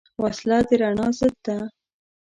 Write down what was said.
وسله د رڼا ضد ده